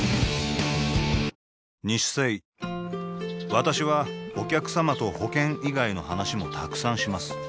私はお客様と保険以外の話もたくさんします